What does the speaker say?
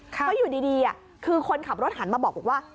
เพราะอยู่ดีคือคนขับรถหันมาบอกว่า